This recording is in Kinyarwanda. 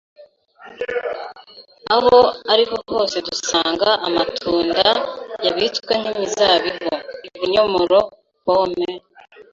Aho ariho hose dusanga amatunda yabitswe nk’imizabibu, ibinyomoro, pome,